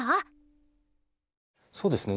そうですね。